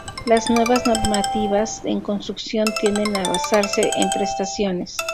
Las nuevas normativas en construcción tienden a basarse en prestaciones.